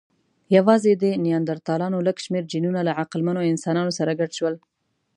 یواځې د نیاندرتالانو لږ شمېر جینونه له عقلمنو انسانانو سره ګډ شول.